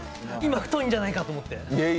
太いんじゃないかと思って。